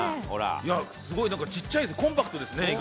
すごいちっちゃい、意外にコンパクトですね。